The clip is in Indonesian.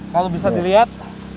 kalau bisa dilihat